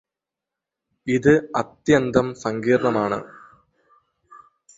ഇത് അത്യന്തം സങ്കീര്ണ്ണമാണ്